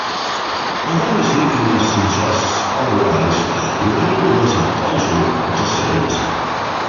Although his nickname suggests otherwise, Leonard was of Belgian descent.